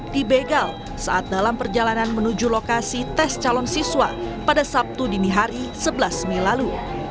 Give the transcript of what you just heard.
di begal saat dalam perjalanan menuju lokasi tes calon siswa pada sabtu dini hari sebelas mei lalu